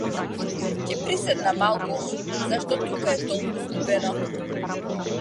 Ќе приседнам малку зашто тука е толку студено.